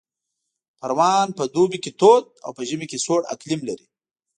پروان په دوبي کې تود او په ژمي کې سوړ اقلیم لري